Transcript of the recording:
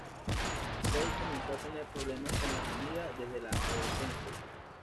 Tracey comenzó a tener problemas con la comida desde la adolescencia.